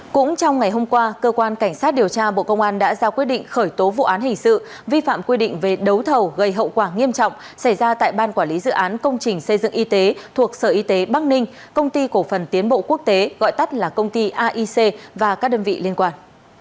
cũng trong ngày hôm qua cơ quan cảnh sát điều tra bộ công an đã ra quyết định khởi tố vụ án hình sự vi phạm quy định về đấu thầu gây hậu quả nghiêm trọng xảy ra tại ban quản lý dự án công trình xây dựng y tế thuộc sở y tế bắc ninh công ty cổ phần tiến bộ quốc tế gọi tắt là công ty aic và các đơn vị liên quan